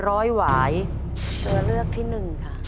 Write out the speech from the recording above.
ร้อยหวายตัวเลือกที่หนึ่งค่ะ